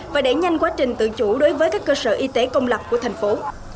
và đẩy nhanh quá trình tự chủ đối với các cơ sở y tế công lập của thành phố